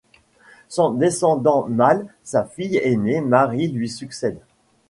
Sans descendant mâle, sa fille aînée Marie lui succède.